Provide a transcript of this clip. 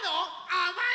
あまいの？